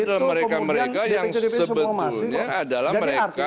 itu kemudian dpc dpc semua masuk